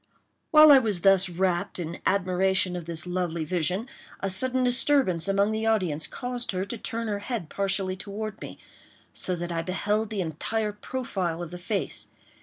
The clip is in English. While I was thus wrapped in admiration of this lovely vision, a sudden disturbance among the audience caused her to turn her head partially toward me, so that I beheld the entire profile of the face.